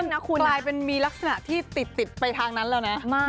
กลายเป็นมีลักษณะที่ติดไปทางนั้นแล้วนะ